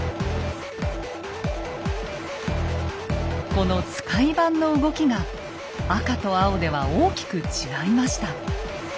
この使番の動きが赤と青では大きく違いました。